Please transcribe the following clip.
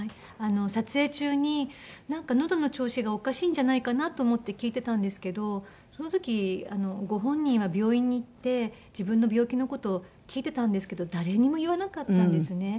撮影中になんかのどの調子がおかしいんじゃないかなと思って聞いてたんですけどその時ご本人は病院に行って自分の病気の事を聞いてたんですけど誰にも言わなかったんですね。